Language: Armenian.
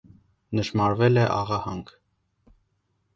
Նշմարվել է աղահանք։